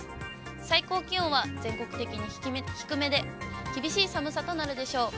最高気温は全国的に低めで、厳しい寒さとなるでしょう。